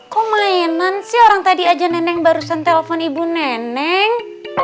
kok mainan sih orang tadi aja nenek barusan telpon ibu neneng